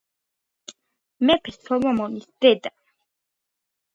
მეფე სოლომონის დედა.